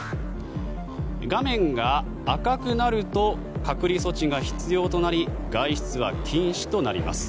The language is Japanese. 画面が赤くなると隔離措置が必要となり外出は禁止となります。